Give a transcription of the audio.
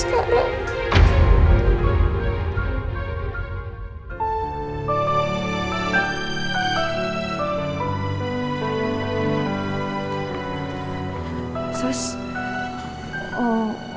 untuk bapak saya yang lagi masuk ke ugd